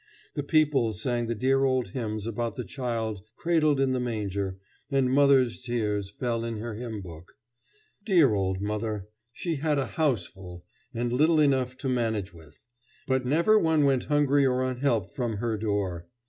The people sang the dear old hymns about the child cradled in the manger, and mother's tears fell in her hymn book. Dear old mother! She had a house full, and little enough to manage with; but never one went hungry or unhelped from her door.